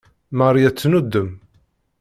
Marie ad tennuddem.